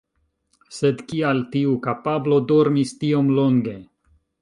Sed kial tiu kapablo dormis tiom longe?